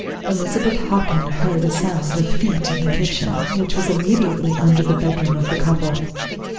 Elizabeth Hockin heard a sound of feet in the kitchen, which was immediately under the bedroom of the couple.